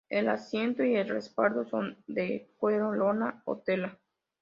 El asiento y el respaldo son de cuero, lona o tela.